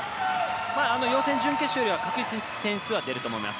予選、準決勝よりは確実に点数は出ると思います。